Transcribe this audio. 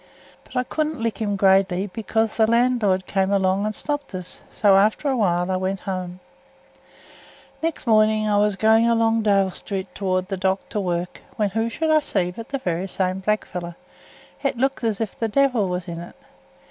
But I couldn't lick him gradely because th' landlord come in and stopped us; so after a while I went hooum. Next morning I was going along Dale Street towards the docks to work, when who should I see but that varra same blackfellow: it looked as if th' devil was in it.